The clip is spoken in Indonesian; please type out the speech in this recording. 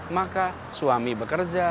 maka suami bekerja